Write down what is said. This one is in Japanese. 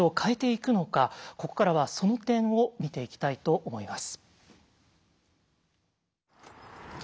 ここからはその点を見ていきたいと思います。